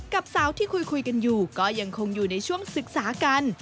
กับสาวที่คุยกันอยู่ก็ยังคงอยู่ในช่วงศึกษากัน